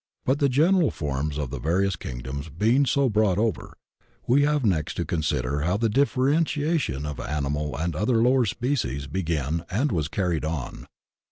But the general forms of the various kingdoms being so brou^t over, we have next to con sider how the differentiation of animal and other lower species began and was carried on.